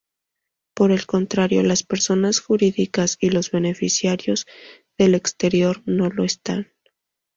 Por el contrario, las personas jurídicas y los beneficiarios del exterior no lo están.